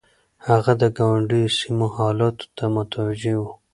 هغه د ګاونډيو سيمو حالاتو ته متوجه و.